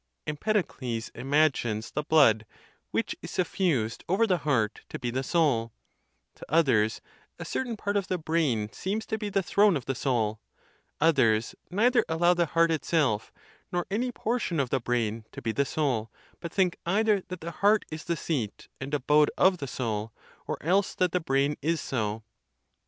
Empedocles imagines the blood, which is suffused over the heart, to be the soul; to others, a certain part of the brain seems to be the throne of the soul; others neither allow the heart itself, nor any portion of the brain, to be the soul, but think either that the heart is the seat and abode of the soul, or else that the brain is so.